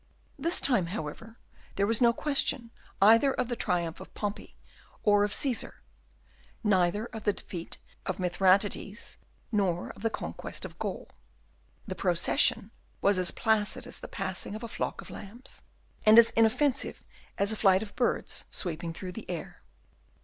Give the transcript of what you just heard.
This time, however, there was no question either of the triumph of Pompey or of Cæsar; neither of the defeat of Mithridates, nor of the conquest of Gaul. The procession was as placid as the passing of a flock of lambs, and as inoffensive as a flight of birds sweeping through the air.